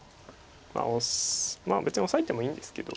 まあ別にオサえてもいいんですけど。